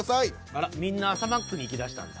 あらみんな朝マックにいきだしたんだ。